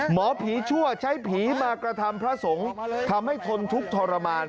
หมอผีชั่วใช้ผีมากระทำพระสงฆ์ทำให้ทนทุกข์ทรมาน